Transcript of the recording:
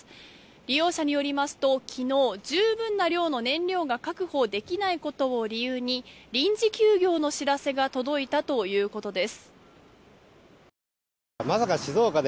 利用者によりますと昨日、十分の量の燃料が確保できないことを理由に臨時休業の知らせが届いたということです。